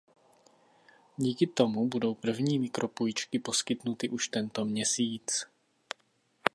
Díky tomu budou první mikropůjčky poskytnuty už tento měsíc.